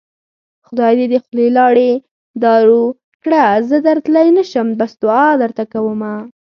خدای دې د خولې لاړې دارو کړه زه درتلی نشم بس دوعا درته کوومه